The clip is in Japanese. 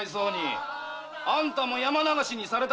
あんたも山流しにされたのか？